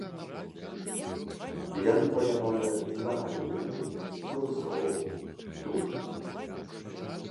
Яны палявалі на аленяў, трусоў, птушак.